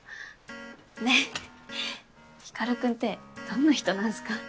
ねぇ光君ってどんな人なんすか？